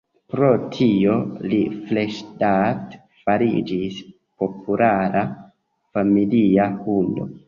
Pro tio, li freŝdate fariĝis populara familia hundo.